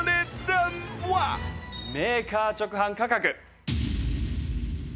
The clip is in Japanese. メーカー直販価格。